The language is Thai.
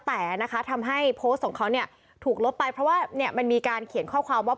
แต่นะคะทำให้โพสต์ของเขาเนี่ยถูกลบไปเพราะว่ามันมีการเขียนข้อความว่า